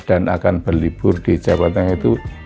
dan akan berlibur di jawa tengah itu